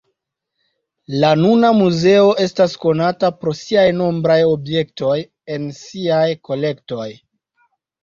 La nuna muzeo estas konata pro siaj nombraj objektoj en siaj kolektoj.